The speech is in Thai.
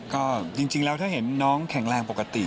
ก็จริงแล้วถ้าเห็นน้องแข็งแรงปกติ